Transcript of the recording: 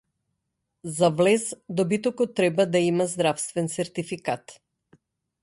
За влез добитокот треба да има здравствен сертификат